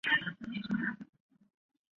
游戏与动画的配音共通。